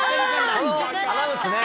このアナウンスね。